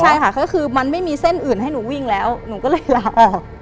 ใช่ค่ะก็คือมันไม่มีเส้นอื่นให้หนูวิ่งแล้วหนูก็เลยลาออก